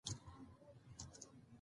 د افغانستان بازارونه تاریخي شهرت لري.